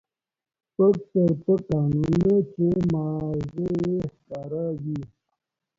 پک تر پکه، نو نه چې ما غزه يې ښکاره وي.